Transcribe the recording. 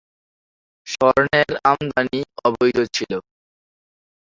স্বর্ণের আমদানি অবৈধ ছিল।